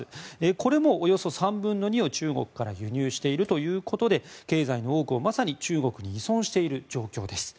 これもおよそ３分の２を中国から輸入しているということで経済の多くを、まさに中国に依存している状況です。